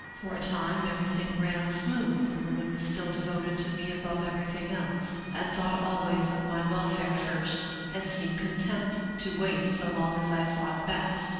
For a time everything ran smooth, the woman was still devoted to me above everything else, and thought always of my welfare first and seemed content to wait so long as I thought best.